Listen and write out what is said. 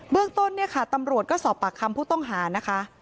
เรื่องต้นเนี่ยค่ะตำรวจก็สอบปากคำผู้ต้องหานะคะ